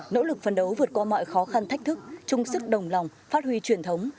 nỗ lực phấn đấu vượt qua mọi khó khăn thách thức trung sức đồng lòng phát huy truyền thống